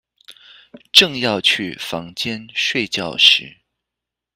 正要去房間睡覺時